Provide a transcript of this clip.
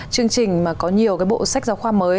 chương trình mà có nhiều cái bộ sách giáo khoa mới